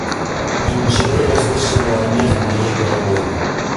И ничего возвышенного нет в моей голове.